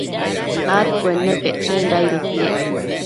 adcuennepecshenda aido iquec